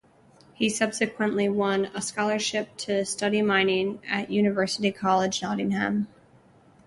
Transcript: He subsequently won a scholarship to study mining at University College Nottingham.